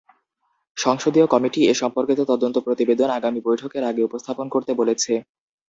সংসদীয় কমিটি এ সম্পর্কিত তদন্ত প্রতিবেদন আগামী বৈঠকের আগে উপস্থাপন করতে বলেছে।